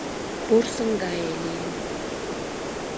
Порсын гае лийын».